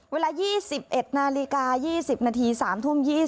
เวลา๒๑นาฬิกา๒๐นาที๓ทุ่ม๒๐